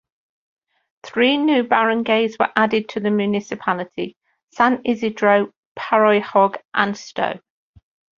Three new barangays were added to the municipality: San Isidro, Paroyhog, and Sto.